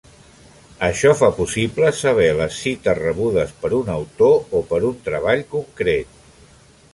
Això fa possible saber les cites rebudes per un autor o per un treball concret.